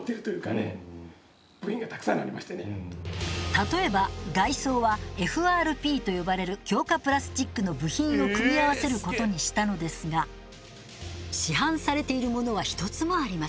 例えば外装はＦＲＰと呼ばれる強化プラスチックの部品を組み合わせることにしたのですが市販されているものは一つもありません。